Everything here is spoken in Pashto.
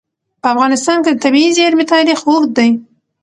په افغانستان کې د طبیعي زیرمې تاریخ اوږد دی.